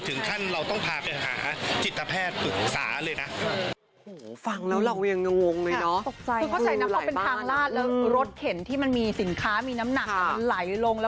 ถึงขั้นเราต้องพาไปหาจิตแพทย์ปรึกษาเลยนะ